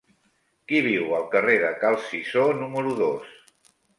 Qui viu al carrer de Cal Cisó número dos?